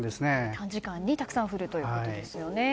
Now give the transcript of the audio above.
短時間にたくさん降るということですよね。